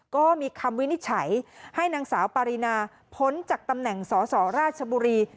ก็มีคำวินิจฉัยให้นางสาวปารีนาพ้นจากตำแหน่งสสราชบุรี